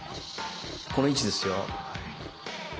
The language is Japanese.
この位置ですよ。